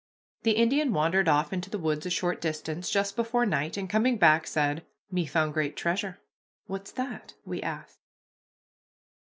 The Indian wandered off into the woods a short distance just before night, and, coming back, said, "Me found great treasure." "What's that?" we asked.